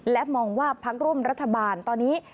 และมองว่าพักร่วมรัฐบาลตอนนี้